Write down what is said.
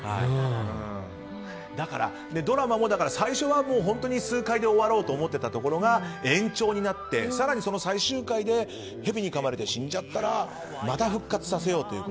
だから、ドラマも最初は数回で終わろうと思っていたところが延長して更にその最終回でヘビにかまれて死んじゃったらまた復活させようと。